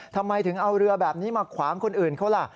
ทำไมถึงเอาเรือแบบนี้มาขวางคนอื่นเขาล่ะ